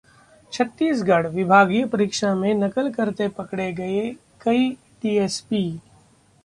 छत्तीसगढ़: विभागीय परीक्षा में नकल करते पकड़े गए कई डीएसपी